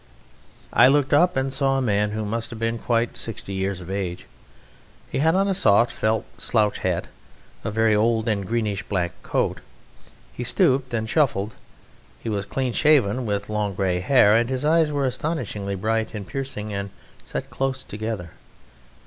I looked up and saw a man who must have been quite sixty years of age. He had on a soft, felt slouch hat, a very old and greenish black coat; he stooped and shuffled; he was clean shaven, with long grey hair, and his eyes were astonishingly bright and piercing and set close together.